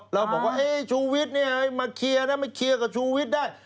แล้วบอกว่าชูวิตเนี่ยมาเคียร์นะมาเคียร์กับชูวิตได้